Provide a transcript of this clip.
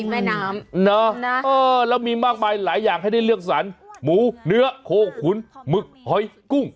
แม่น้ำเนอะเออแล้วมีมากมายหลายอย่างให้ได้เลือกสรรหมูเนื้อโคขุนหมึกหอยกุ้ง